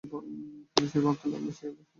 কিন্তু সে ভাবতে লাগল, সে সবার চেয়ে সেরা।